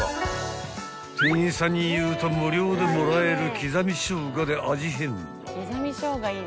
［店員さんに言うと無料でもらえるきざみ生姜で味変］